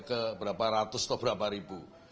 keberapa ratus atau berapa ribu